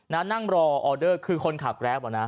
น่านั่งรอออเดอร์คือคนขาดแกรฟนะฮะ